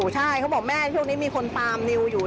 ใช่เขาบอกแม่ตอนนี้มีคนตามนิว